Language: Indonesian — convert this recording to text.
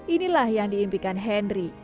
inilah yang diimpikan henry